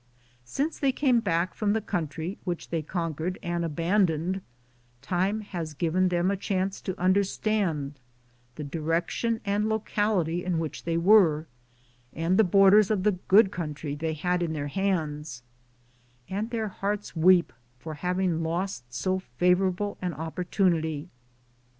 Since they came back from the country which they con quered and abandoned, time has given them a chance to understand the direction and locality in which they were, and the borders of the good country they had in their hands, and their hearts weep for having lost so fa vorable an opportunity.